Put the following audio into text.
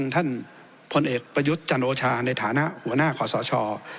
ท่านพลเอกประยุทธ์จันโอชาในฐานะหัวหน้าขอสช